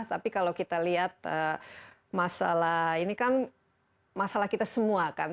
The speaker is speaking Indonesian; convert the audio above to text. tapi kalau kita lihat masalah ini kan masalah kita semua kan